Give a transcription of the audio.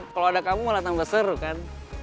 kalau ada kamu malah tambah seru kan